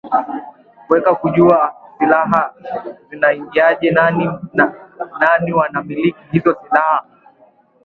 kuweza kujua silaha zinaiingiaje nani wanamiliki hizo silaha